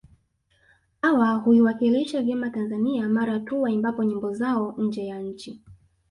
Hawa huiwakilisha vyema Tanzania mara tu waimbapo nyimbo zao nje ya nchi